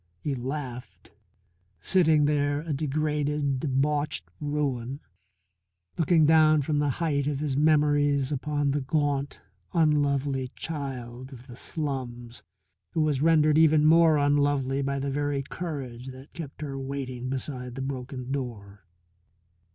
He laughed, sitting there a degraded, debauched ruin, looking down from the height of his memories upon the gaunt, unlovely child of the slums who was rendered even more unlovely by the very courage that kept her waiting beside the broken door.